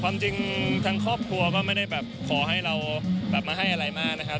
ความจริงทั้งครอบครัวก็ไม่ได้แบบขอให้เราแบบมาให้อะไรมากนะครับ